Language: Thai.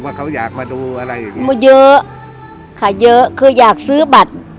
ว่าเขาอยากมาดูอะไรอย่างงี้เยอะค่ะเยอะคืออยากซื้อบัตร